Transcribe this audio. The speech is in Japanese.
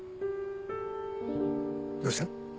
どうした？